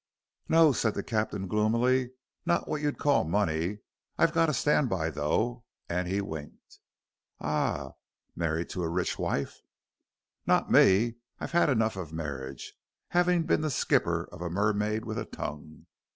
"No," said the captain, gloomily, "not what you'd call money. I've got a stand by, though," and he winked. "Ah! Married to a rich wife?" "Not me. I've had enough of marriage, having been the skipper of a mermaid with a tongue.